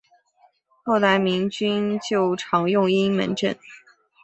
后来民军就常用阴门阵。